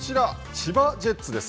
千葉ジェッツです。